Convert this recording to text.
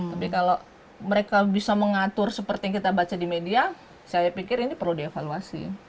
tapi kalau mereka bisa mengatur seperti yang kita baca di media saya pikir ini perlu dievaluasi